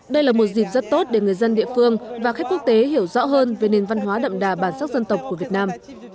đây là một dịp rất tốt để người dân địa phương và khách quốc tế hiểu rõ hơn về nền văn hóa đậm đà bản sắc dân tộc của việt nam